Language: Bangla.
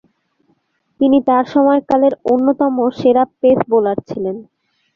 তিনি তার সময়কালের অন্যতম সেরা পেস বোলার ছিলেন।